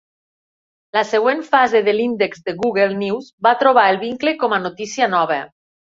La següent fase de l'índex de Google News va trobar el vincle com a notícia nova.